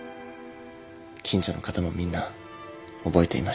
近所の方もみんな覚えていました。